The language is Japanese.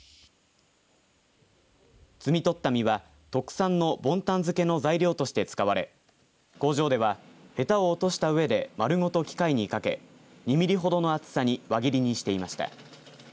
摘み取った実は特産のボンタン漬けの材料として使われ工場ではへたを落としたうえで丸ごと機械にかけ２ミリほどの厚さに輪切りにしていました。